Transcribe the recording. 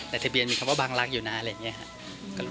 แต่ทะเบียนมีคำว่าบังลักษณ์อยู่นะอะไรอย่างนี้ครับ